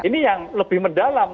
ini yang lebih mendalam